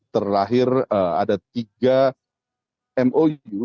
terlahir ada tiga mou